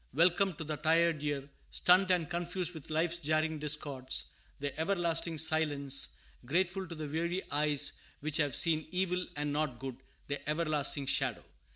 Welcome to the tired ear, stunned and confused with life's jarring discords, the everlasting silence; grateful to the weary eyes which "have seen evil, and not good," the everlasting shadow.